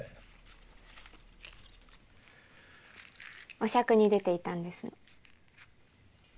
お酌に出ていたんです。